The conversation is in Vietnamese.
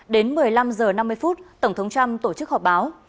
đến một mươi năm h năm mươi tổng thống trump tổ chức họp báo